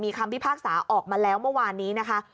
คำพิพากษาออกมาแล้วเมื่อวานนี้นะคะ